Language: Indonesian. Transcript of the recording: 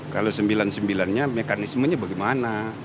kalau sembilan sembilannya mekanismenya bagaimana